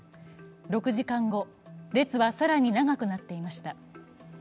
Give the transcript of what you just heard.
６時間後、列は更に長くなっていました。